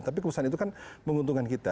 tapi keputusan itu kan menguntungkan kita